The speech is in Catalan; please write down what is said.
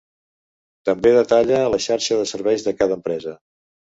També detalla la xarxa de serveis de cada empresa.